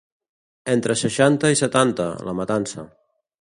Entre seixanta i setanta, la matança.